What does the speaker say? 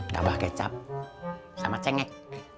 tambah kecap sama cengek